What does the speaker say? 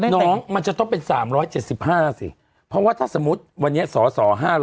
น้องมันจะต้องเป็น๓๗๕สิเพราะว่าถ้าสมมุติวันนี้สส๕๐๐